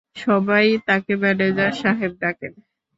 সবাই তাঁকে ম্যানেজার সাহেব ডাকেন।